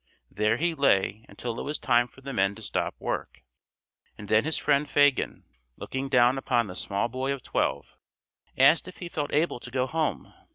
There he lay until it was time for the men to stop work, and then his friend Fagin, looking down upon the small boy of twelve, asked if he felt able to go home.